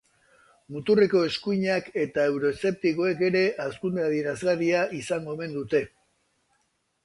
Muturreko eskuinak eta euroeszeptikoek ere hazkunde adierazgarria izango omen dute.